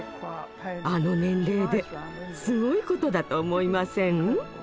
あの年齢ですごいことだと思いません？